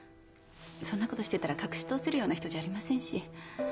そんな事してたら隠し通せるような人じゃありませんし。